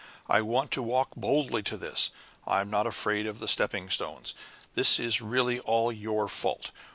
I want to walk boldly to this. I'm not afraid of the stepping stones! This is really all your fault.